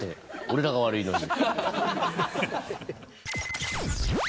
俺らが悪いのに。